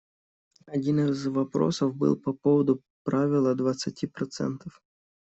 Один из вопросов был по поводу правила двадцати процентов.